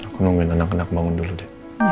aku nunggu anak anak bangun dulu